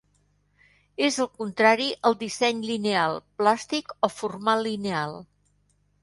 És el contrari al disseny lineal, plàstic o formal lineal.